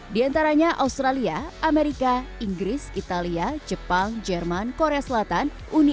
di antaranya australia amerika inggris italia jepang jerman korea selatan uni